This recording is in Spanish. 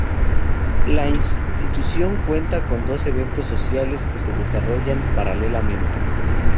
La institución cuenta con dos eventos sociales que se desarrollan paralelamente.